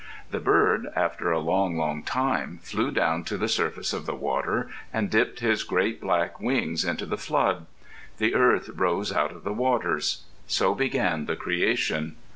The Bird, after a long, long time, flew down to the surface of the water and dipped his great black wings into the flood. The earth arose out of the waters. So began the creation.